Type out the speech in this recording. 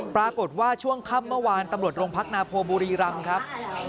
ปรากฏว่าช่วงค่ำเมื่อวานตำรวจโรงพักนาโพบุรีรำครับ